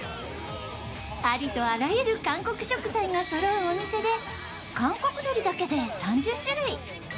ありとあらゆる韓国食材がそろうお店で、韓国のりだけで３０種類。